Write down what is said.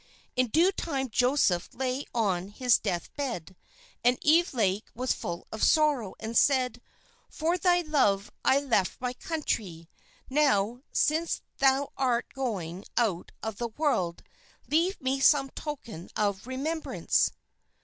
"In due time Joseph lay on his death bed and Evelake was full of sorrow and said, 'For thy love I left my country; now, since thou art going out of the world, leave me some token of remembrance.